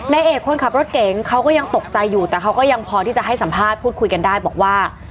ในเอกคนขับรถเก๋งเขาก็ยังตกใจอยู่แต่เขาก็ยังพอที่จะให้สัมภาษณ์พูดคุยกันได้บอกว่า